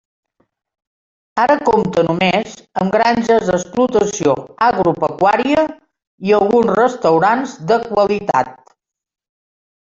Ara compta només amb granges d'explotació agropecuària i alguns restaurants de qualitat.